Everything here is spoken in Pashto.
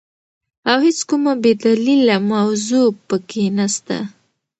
او هيڅ کومه بي دليله موضوع په کي نسته،